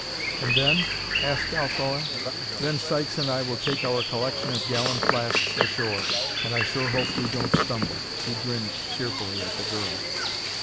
"And then?" asked Althora. "Then Sykes and I will take our collection of gallon flasks ashore, and I sure hope we don't stumble." He grinned cheerfully at the girl.